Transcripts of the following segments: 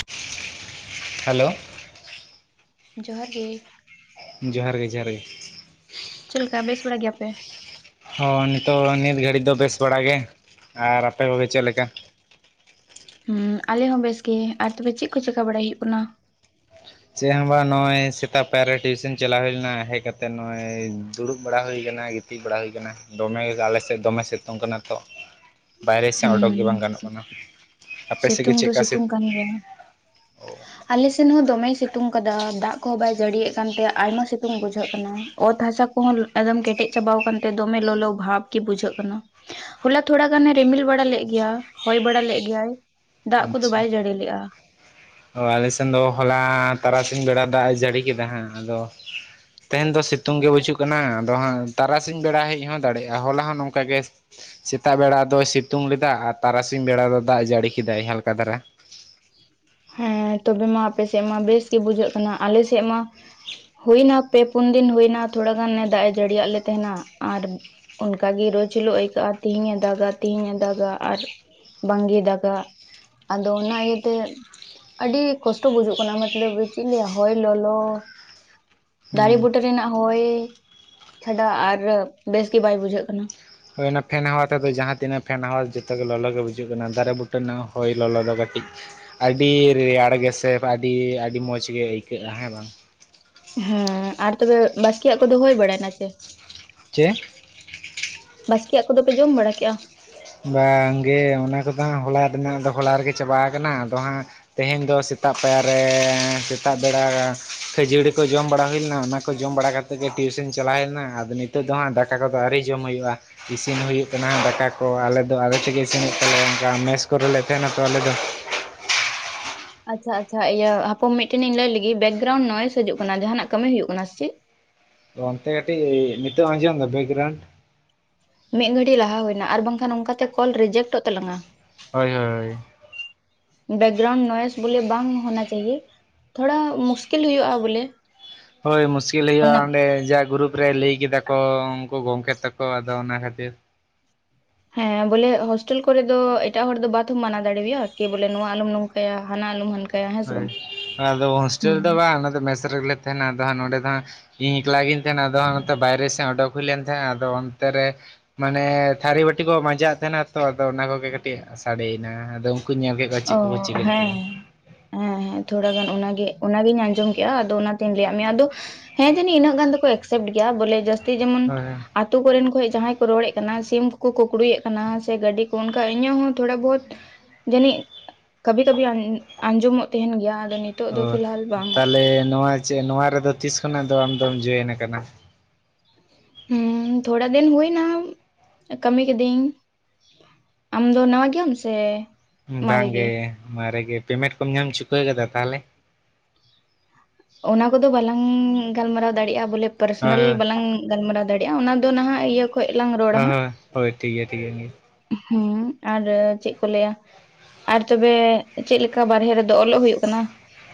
[inaudible] Hello? ᱡᱚᱦᱟᱨ ᱜᱮ, ᱡᱚᱦᱟᱨ ᱜᱮ ᱡᱚᱦᱟᱨ ᱜᱮ ᱾ ᱪᱮᱫ ᱞᱮᱠᱟ ᱵᱮᱥ ᱵᱟᱲᱟ ᱜᱮᱭᱟ ᱯᱮ? ᱦᱚᱸ ᱱᱤᱛᱚᱜ ᱱᱤᱛ ᱜᱷᱟᱹᱲᱤᱡ ᱫᱚ ᱵᱮᱥ ᱵᱟᱲᱟ ᱜᱮ, ᱟᱨ ᱟᱯᱮ ᱠᱚᱜᱮ ᱪᱮᱫ ᱞᱮᱠᱟ? ᱦᱩ, ᱸ ᱟᱞᱮ ᱦᱚᱸ ᱵᱮᱥ ᱜᱮ ᱟᱨ ᱛᱚᱵᱮ ᱪᱮᱫ ᱠᱚ ᱪᱮᱠᱟ ᱵᱟᱲᱟᱭ ᱦᱩᱭᱩᱜ ᱠᱟᱱᱟ? ᱪᱮᱜ ᱦᱚᱸ ᱵᱟᱝ ᱱᱚᱜᱼᱚᱭ ᱥᱮᱛᱟᱜ ᱯᱟᱭᱟᱨ ᱨᱮ ᱴᱤᱭᱩᱥᱮᱱ ᱪᱟᱞᱟᱣ ᱦᱩᱭ ᱞᱮᱱᱟ, ᱦᱮᱜ ᱠᱟᱛᱮ ᱱᱚᱜᱼᱚᱭ ᱫᱩᱲᱩᱵ ᱵᱟᱲᱟ ᱦᱩᱭ ᱟᱠᱟᱱᱟ, ᱜᱤᱛ- ᱛᱤᱡ ᱵᱟᱲᱟ ᱦᱩᱭ ᱟᱠᱟᱱᱟ, ᱫᱚᱢᱮ ᱜᱮ ᱟᱞᱮ ᱥᱮᱫ ᱫᱚᱢᱮ ᱥᱤᱛᱩᱝ ᱠᱟᱱᱟ ᱛᱚ᱾ ᱵᱟᱦᱨᱮ ᱥᱮᱜ ᱚᱰᱚᱠ ᱜᱮ ᱵᱟᱝ ᱦᱩᱸ ᱜᱟᱱᱚᱜ ᱠᱟᱱᱟ, ᱟᱯᱮ ᱥᱮᱫ ᱜᱮ ᱥᱤᱛᱩᱝ ᱪᱮᱫ ᱠᱟ ᱥᱤᱛ- [unintelligible] ᱠᱟᱱ ᱜᱮᱭᱟ, ᱟᱞᱮ ᱥᱮᱱ ᱦᱚᱸ ᱫᱚᱢᱮ ᱥᱤᱛᱩᱝ ᱟᱠᱟᱫᱟ ᱫᱟᱜ ᱠᱚᱦᱚᱸ ᱵᱟᱭ ᱡᱟᱹᱲᱤᱭᱮᱫ ᱠᱟᱱᱛᱮ ᱟᱭᱢᱟ ᱥᱤᱛᱩᱝ ᱵᱩᱡᱷᱟᱹᱜ ᱠᱟᱱᱟ, ᱚᱛ ᱦᱟᱥᱟ ᱠᱚᱦᱚᱸ ᱮᱫᱚᱢ ᱠᱮᱴᱮᱡ ᱪᱟᱵᱟᱣ ᱟᱠᱟᱱ ᱛᱮ ᱫᱚᱢᱮ ᱞᱚᱞᱚ ᱵᱷᱟᱯ ᱠᱤ ᱵᱩᱡᱷᱟᱹᱜ ᱠᱟᱱᱟ, ᱦᱚᱞᱟ ᱛᱷᱚᱲᱟ ᱜᱟᱱᱮ ᱨᱤᱢᱤᱞ ᱵᱟᱲᱟ ᱞᱮᱜ- ᱜᱮᱭᱟ, ᱦᱚᱭ ᱵᱟᱲᱟ ᱞᱮᱫ ᱜᱮᱭᱟᱭ, ᱫᱟᱜ ᱠᱚᱫᱚ ᱟᱪᱪᱷᱟ ᱵᱟᱭ ᱡᱟᱹᱲᱤ ᱞᱮᱜ-ᱟ᱾ ᱚ ᱟᱞᱮ ᱥᱮᱱ ᱫᱚ ᱦᱚᱞᱟ ᱛᱟᱨᱟᱥᱤᱧ ᱵᱮᱲᱟ ᱫᱟᱜ ᱮ ᱡᱟᱹᱲᱤ ᱠᱮᱫᱟ ᱦᱟᱸ, ᱟᱫᱚ ᱛᱮᱦᱮᱱ ᱫᱚ ᱥᱤᱛᱩᱝ ᱜᱮ ᱵᱟᱹᱪᱩᱜ ᱠᱟᱱᱟ, ᱟᱫᱚ ᱦᱟᱸᱜ ᱛᱟᱨᱟᱥᱤᱧ ᱵᱮᱲᱟ ᱦᱮᱡ ᱦᱚᱸ ᱫᱟᱲᱮᱜ-ᱟ, ᱦᱚᱞᱟ ᱦᱚᱸ ᱱᱚᱝᱠᱟ ᱜᱮ ᱥᱤ- ᱥᱮᱛᱟᱜ ᱵᱮᱲᱟ ᱫᱚᱭ ᱥᱤᱛᱩᱝ ᱞᱮᱫᱟ, ᱟᱨ ᱛᱟᱨᱟᱥᱤᱧ ᱵᱮᱲᱟ ᱫᱚ ᱫᱟᱜ ᱮ ᱡᱟᱹᱲᱤ ᱠᱮᱫᱟᱭ, ᱦᱟᱞᱠᱟ ᱫᱷᱟᱨᱟ᱾ ᱦᱮᱸ ᱛᱚᱵᱮ ᱢᱟ ᱟᱯᱮ ᱥᱮᱫ ᱢᱟ ᱵᱮᱥ ᱜᱮ ᱵᱩᱡᱷᱟᱹᱜ ᱠᱟᱱᱟ ᱟᱞᱮ ᱥᱮᱫ ᱢᱟ ᱦᱩᱭᱱᱟ ᱯᱮ ᱯᱩᱱ ᱫᱤᱱ ᱦᱩᱭᱱᱟ ᱛᱷᱚᱲᱟ ᱜᱟᱱ ᱮ ᱫᱟᱜ ᱮ ᱡᱟᱹᱲᱤᱭᱟᱜ ᱞᱮ ᱛᱟᱦᱮᱱᱟ ᱟᱨ ᱚᱱᱠᱟᱜᱮ ᱨᱳᱡᱽ ᱦᱤᱞᱳᱜ ᱟᱹᱭᱠᱟᱹᱜ-ᱟ᱾ ᱛᱤᱦᱤᱧ ᱮ ᱫᱟᱜᱟ ᱛᱤᱦᱤᱧ ᱮ ᱫᱟᱜᱟ ᱟᱨ ᱵᱟᱝᱜᱮ ᱫᱟᱜᱟ ᱟᱫᱚ ᱚᱱᱟ ᱤᱭᱟᱹᱛᱮ ᱟᱹᱰᱤ ᱠᱚᱥᱴᱚ ᱵᱩᱡᱩᱜ ᱠᱟᱱᱟ ᱢᱚᱛᱞᱚᱵ ᱪᱮᱫ ᱤᱧ ᱞᱟᱹᱭ ᱟ ᱦᱚᱭ ᱞᱚᱞᱚ ᱫᱟᱨᱮ ᱦᱩᱸ ᱵᱩᱴᱟᱹ ᱨᱮᱱᱟᱜ ᱦᱚᱭ ᱪᱷᱟᱰᱟ ᱟᱨ ᱵᱮᱥ ᱜᱮ ᱵᱟᱭ ᱵᱩᱡᱷᱟᱹᱜ ᱠᱟᱱᱟ᱾ ᱦᱳᱭ ᱚᱱᱟ ᱯᱷᱮᱱ ᱦᱟᱣᱟ ᱛᱮᱫᱚ ᱡᱟᱦᱟ ᱛᱤᱱᱟᱹᱜ ᱯᱷᱮᱱ ᱦᱟᱣᱟ ᱡᱚᱛᱚᱜᱮ ᱞᱚᱞᱚ ᱜᱮ ᱵᱩᱡᱩᱜ ᱠᱟᱱᱟ ᱫᱟᱨᱮ ᱵᱩᱴᱟᱹ ᱨᱮᱱᱟᱜ ᱦᱚᱭ ᱞᱚᱞᱚ ᱫᱚ ᱠᱟᱹᱴᱤᱡ ᱟᱹᱰᱤ ᱨᱮᱭᱟᱲ ᱜᱮ ᱥᱮ ᱟᱹᱰᱤ ᱟᱹᱰᱤ ᱢᱚᱡᱽ ᱜᱮ ᱟᱹᱭᱠᱟᱹᱜ-ᱟ ᱦᱮᱸ ᱵᱟᱝ ᱦᱮᱸ ᱟᱨ ᱛᱚᱵᱮ ᱵᱟᱥᱠᱮᱭᱟᱜ ᱠᱚᱫᱚ ᱦᱩᱭ ᱵᱟᱲᱟᱭᱱᱟ ᱪᱮ? ᱪᱮ ᱵᱟᱥᱠᱮᱭ ᱟᱜ ᱠᱚᱫᱚᱯᱮ ᱡᱚᱢ ᱵᱟᱲᱟᱠᱮᱜ-ᱟ? ᱵᱟᱝ ᱜᱮ ᱚᱱᱟ ᱠᱚᱫᱚ ᱦᱟᱜ ᱦᱚᱞᱟ ᱨᱮᱱᱟᱜ ᱫᱚᱦᱚ ᱞᱟᱦᱟ ᱨᱮᱜᱮ ᱪᱟᱵᱟ ᱠᱟᱱᱟ ᱟᱫᱚ ᱦᱟᱜ ᱛᱮᱦᱮᱧ ᱫᱚ ᱥᱮᱛᱟᱜ ᱯᱟᱭᱟᱨ ᱨᱮ ᱥᱮᱛᱟᱜ ᱵᱮᱲᱟ ᱠᱷᱟᱹᱡᱟᱹᱲᱤ ᱠᱚ ᱡᱚᱢ ᱵᱟᱲᱟ ᱦᱩᱭ ᱞᱮᱱᱟ ᱚᱱᱟ ᱠᱚ ᱡᱚᱢ ᱵᱟᱲᱟ ᱠᱟᱛᱮ ᱱᱤᱛᱚᱜ ᱜᱮ ᱴᱤᱭᱩᱥᱚᱱ ᱪᱟᱞᱟᱣ ᱦᱮᱡ ᱮᱱᱟ ᱟᱫᱚ ᱱᱤᱛᱚᱜ ᱫᱚ ᱦᱟᱜ ᱫᱟᱠᱟ ᱠᱚᱫᱚ ᱟᱣᱨᱤ ᱡᱚᱢ ᱦᱩᱭᱩᱜ-ᱟ ᱤᱥᱤᱱ ᱦᱩᱭᱩᱜ ᱠᱟᱱᱟ ᱫᱟᱠᱟ ᱠᱚ ᱟᱞᱮ ᱫᱚ ᱟᱞᱮ ᱛᱮᱜᱮ ᱤᱥᱤᱱ ᱦᱩᱭᱩᱜ ᱛᱟᱞᱮᱭᱟ ᱚᱱᱠᱟ ᱢᱮᱥ ᱠᱚ ᱨᱮᱞᱮ ᱛᱟᱦᱮᱱᱟ ᱛᱚ ᱟᱞᱮ ᱫᱚ᱾ ᱟᱪᱪᱷᱟ ᱟᱪᱪᱷᱟ ᱤᱭᱟᱹ ᱦᱟᱯᱚᱢ ᱢᱤᱫᱴᱮᱱ ᱤᱧ ᱞᱟᱹᱭ ᱞᱮᱜᱤ ᱵᱮᱠᱜᱨᱟᱣᱩᱱᱰ ᱱᱚᱭᱮᱥ ᱦᱤᱡᱩᱜ ᱠᱟᱱᱟ ᱡᱟᱦᱟᱱᱟᱜ ᱠᱟᱹᱢᱤ ᱦᱩᱭᱩᱜ ᱠᱟᱱᱟ ᱥᱤᱪᱤᱫ? ᱚᱱᱛᱮ ᱠᱟᱹᱴᱤᱡ ᱱᱤᱛᱚᱜ ᱟᱸᱡᱚᱢ ᱮᱫᱟ ᱵᱮᱠᱜᱨᱟᱣᱩᱱᱰ? ᱢᱤᱫ ᱜᱷᱟᱹᱲᱤ ᱞᱟᱦᱟ ᱦᱩᱭᱱᱟ ᱟᱨ ᱵᱟᱝᱠᱷᱟᱱ ᱚᱱᱠᱟᱛᱮ ᱠᱚᱞ ᱨᱮᱡᱮᱴ ᱚᱜ ᱛᱟᱞᱟᱝ-ᱟ᱾ ᱦᱳᱭ ᱦᱳᱭ ᱵᱮᱠᱜᱨᱟᱣᱩᱱᱰ ᱱᱚᱭᱮᱥ ᱵᱚᱞᱮ ᱵᱟᱝ ᱦᱚᱱᱟ ᱪᱟᱭᱭᱮ ᱛᱷᱚᱲᱟ ᱢᱩᱥᱠᱤᱞ ᱦᱩᱭᱩᱜ-ᱟ ᱵᱚᱞᱮ ᱦᱳᱭ ᱢᱩᱥᱠᱤᱞ ᱦᱩᱭᱩᱜ-ᱟ ᱚᱱᱟ ᱚᱸᱰᱮ ᱡᱟ ᱜᱨᱩᱯ ᱨᱮ ᱞᱟᱹᱭ ᱠᱮᱫᱟ ᱠᱚ ᱩᱱᱠᱩ ᱜᱚᱝᱠᱮ ᱛᱟᱠᱚ ᱟᱫᱚ ᱚᱱᱟ ᱠᱷᱟᱹᱛᱤᱨ ᱦᱮᱸ ᱵᱚᱞᱮ ᱦᱳᱥᱴᱮᱞ ᱠᱚᱨᱮ ᱫᱚ ᱮᱴᱟᱜ ᱦᱚᱲ ᱫᱚ ᱵᱟᱫᱷᱚᱢ ᱢᱟᱱᱟ ᱫᱟᱲᱮᱟᱭᱟ ᱠᱤ ᱵᱚᱞᱮ ᱱᱚᱣᱟ ᱟᱞᱚᱢ ᱱᱚᱝᱠᱟᱭᱟ ᱦᱟᱱᱟ ᱟᱞᱚᱢ ᱦᱟᱱᱠ ᱦᱳᱭ ᱟᱫᱚ ᱦᱳᱥᱴᱮᱞ ᱨᱮᱫᱚ ᱵᱟᱝ ᱟᱞᱮ ᱫᱚ ᱢᱮᱥ ᱨᱮᱜᱮ ᱞᱮ ᱛᱟᱦᱮᱱᱟ ᱟᱫᱚ ᱦᱟᱸᱜ ᱱᱚᱸᱰᱮ ᱫᱚ ᱦᱟᱸᱜ ᱤᱧ ᱮᱠᱞᱟ ᱜᱤᱧ ᱛᱟᱦᱮᱱᱟ ᱟᱫᱚ ᱦᱟᱜ ᱱᱚᱛᱮ ᱵᱟᱭᱨᱮ ᱥᱮᱫ ᱚᱰᱚᱠ ᱦᱩᱭ ᱞᱮᱱ ᱛᱟᱦᱮᱱᱟ ᱟᱫᱚ ᱚᱱᱛᱮ ᱨᱮ ᱢᱟᱱᱮ ᱛᱷᱟᱹᱨᱤ ᱵᱟᱹᱴᱤ ᱠᱚ ᱢᱟᱸᱡᱟᱣ ᱮ ᱛᱟᱦᱮᱸᱱᱟ ᱛᱚ ᱟᱫᱚ ᱚᱱᱟ ᱠᱚᱜᱮ ᱠᱟᱹᱴᱤᱡ ᱥᱟᱰᱮᱭᱮᱱᱟ ᱟᱫᱚ ᱩᱱᱠᱩ ᱧᱮᱞ ᱠᱮᱫ ᱠᱚ ᱪᱤᱫ ᱚ ᱠᱚᱠᱚ ᱪᱤᱠᱟᱹ ᱦᱮᱸ ᱠᱮᱫᱟ ᱦᱮᱸ ᱦᱮᱸ ᱛᱷᱚᱲᱟ ᱜᱟᱱ ᱚᱱᱟᱜᱮ ᱚᱱᱟᱜᱤᱧ ᱟᱸᱡᱚᱢ ᱠᱮᱜ-ᱟ ᱟᱫᱚ ᱚᱱᱟᱛᱤᱧ ᱞᱟᱹᱭ ᱟᱫ ᱢᱮᱭᱟ ᱟᱫᱚ ᱦᱮᱸ ᱡᱟᱹᱱᱤ ᱤᱱᱟᱹᱜ ᱜᱟᱱ ᱫᱚᱠᱚ ᱮᱯᱥᱮᱯᱴ ᱜᱮᱭᱟ ᱵᱚᱞᱮ ᱡᱟᱹᱥᱛᱤ ᱡᱮᱢᱚᱱ ᱦᱳᱭ ᱟᱹᱛᱩ ᱠᱚᱨᱮᱱ ᱠᱷᱚᱱ ᱡᱟᱦᱟᱭ ᱠᱚ ᱨᱚᱲᱮᱫ ᱠᱟᱱᱟ ᱥᱤᱢ ᱠᱚᱠᱚ ᱠᱩᱠᱲᱩᱭ ᱮᱫ ᱠᱟᱱᱟ ᱥᱮ ᱜᱟᱹᱰᱤ ᱠᱚ ᱚᱱᱠᱟ ᱤᱧᱟᱜ ᱦᱚᱸ ᱛᱷᱚᱲᱟ ᱵᱚᱦᱩᱛ ᱡᱟᱹᱱᱤᱡ ᱠᱟᱵᱤ ᱠᱟᱵᱤ ᱟᱸᱡᱚᱢᱚᱜ ᱛᱟᱦᱮᱱ ᱜᱮᱭᱟ ᱟᱫᱚ ᱱᱤᱛ ᱚ ᱛᱟᱞᱮ ᱱᱚᱣᱟ ᱪᱮ ᱱᱚᱣᱟ ᱨᱮᱫᱚ ᱛᱤᱥ ᱠᱷᱚᱱᱟᱜ ᱫᱚ ᱟᱢ ᱫᱚᱢ ᱡᱚᱭᱮᱱ ᱠᱟᱱᱟ? ᱦᱩᱸ ᱛᱷᱚᱲᱟ ᱫᱤᱱ ᱦᱩᱭᱱᱟ ᱠᱟᱹᱢᱤ ᱠᱤᱫᱤᱧ ᱟᱢ ᱫᱚ ᱱᱟᱣᱟ ᱜᱮᱭᱟᱢ ᱥᱮ? ᱵᱟᱝ ᱜᱮ ᱢᱟᱨᱮ ᱜᱮ ᱯᱮᱢᱮᱱᱴ ᱠᱚᱢ ᱧᱟᱢ ᱪᱩᱠᱟᱹ ᱠᱟᱫᱟ ᱛᱟᱦᱚᱞᱮ? ᱚᱱᱟ ᱠᱚᱫᱚ ᱵᱟᱞᱟᱝ ᱜᱟᱞᱢᱟᱨᱟᱣ ᱫᱟᱲᱮᱭᱟᱜ-ᱟ ᱵᱚᱞᱮ ᱦᱳᱭ ᱯᱟᱨᱥᱚᱱᱟᱞ ᱵᱟᱞᱟᱝ ᱜᱟᱞᱢᱟᱨᱟᱣ ᱫᱟᱲᱮᱭᱟᱜ-ᱟ ᱚᱱᱟ ᱫᱚ ᱱᱟᱦᱟᱜ ᱤᱭᱟᱹ ᱠᱷᱚᱡ ᱞᱟᱝ ᱨᱚᱲᱟ ᱦᱟᱸᱜ ᱟᱻᱦᱳᱭ ᱴᱷᱤᱠ ᱜᱮᱭᱟ ᱴᱷᱤᱠ ᱜᱮᱭᱟ [inaudible] ᱦᱩᱸ ᱟᱨ ᱪᱮᱫ ᱠᱚ ᱞᱟᱹᱭ ᱟ ᱟᱨ ᱛᱚᱵᱮ ᱪᱮᱫ ᱞᱮᱠᱟ ᱵᱟᱨᱦᱮ ᱨᱮᱫᱚ ᱚᱞᱚᱜ ᱦᱩᱭᱩᱜ ᱠᱟᱱᱟ?